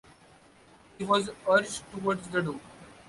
He was urged towards the door.